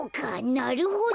なるほど。